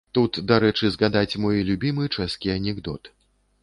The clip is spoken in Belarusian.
Тут дарэчы згадаць мой любімы чэшскі анекдот.